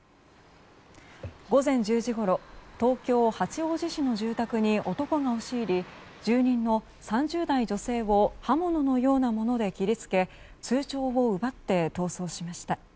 午前１０時ごろ東京・八王子市の住宅に男が押し入り住人の３０代女性を刃物のようなもので切り付け通帳を奪って逃走しました。